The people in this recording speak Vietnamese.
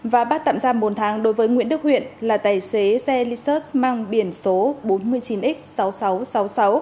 và bắt tạm giam bốn tháng đối với nguyễn đức huyện là tài xế xe lius mang biển số bốn mươi chín x sáu nghìn sáu trăm sáu mươi sáu